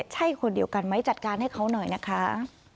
ใช่คนเดียวกันไหมจัดการให้เขาหน่อยนะคะ